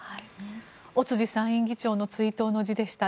尾辻参院議長の追悼の辞でした。